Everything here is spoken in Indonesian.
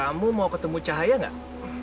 kamu mau ketemu cahaya nggak